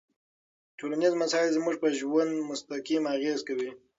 ټولنيز مسایل زموږ په ژوند مستقیم اغېز کوي.